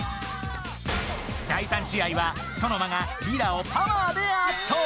第３試合はソノマがリラをパワーであっとう！